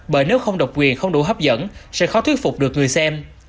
bởi nếu không độc quyền không đủ hấp dẫn sẽ khó thuyết phục được người xem